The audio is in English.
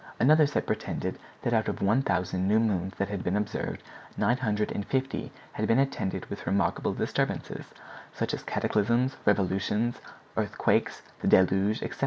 Another set pretended that out of one thousand new moons that had been observed, nine hundred and fifty had been attended with remarkable disturbances, such as cataclysms, revolutions, earthquakes, the deluge, etc.